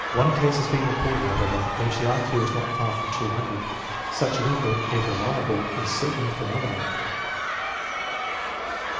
One case has been reported, however, in which the I Q was not far from 200. Such a record, if reliable, is certainly phenomenal.